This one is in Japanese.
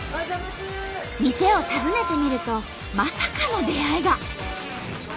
店を訪ねてみるとまさかの出会いが。